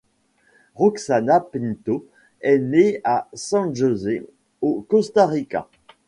Roxana Pinto est née à San José au Costa Rica.